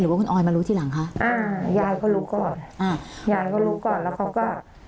ว่าคุณออยมารู้ทีหลังคะอ่ายายเขารู้ก่อนอ่ายายก็รู้ก่อนแล้วเขาก็